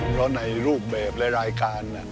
เพราะในรูปแบบและรายการ